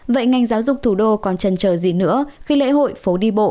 vậy ngành giáo dục thủ đô còn trần chờ gì nữa khi lễ hội phố đi bộ